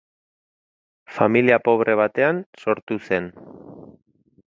Familia pobre batean sortu zen.